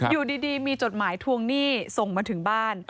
อยู่ดีมีจดหมายทวงหนี้ส่งมาถึงบ้าน